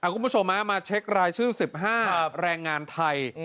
คุณผู้ชมมาเช็ครายชื่อ๑๕แรงงานไทย